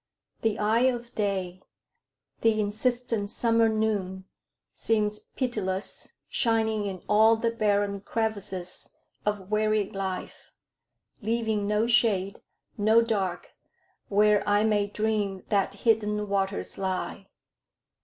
The eye of day, The insistent summer noon, seems pitiless, Shining in all the barren crevices Of weary life, leaving no shade, no dark, Where I may dream that hidden waters lie.